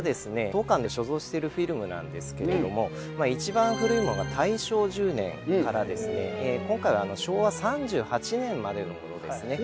当館で所蔵してるフィルムなんですけれども一番古いのが大正１０年からですね今回は昭和３８年までのものですね。